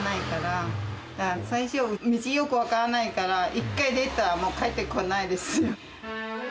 だから最初、道よく分からないから、一回出たら帰ってこないですよ。